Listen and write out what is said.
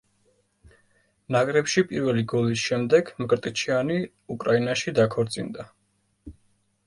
ნაკრებში პირველი გოლის შემდეგ მკრტიჩიანი უკრაინაში დაქორწინდა.